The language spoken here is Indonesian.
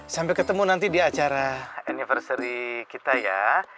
sampai ketemu nanti di acara anniversary kita ya